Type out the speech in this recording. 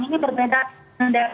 ini berbeda dengan daerah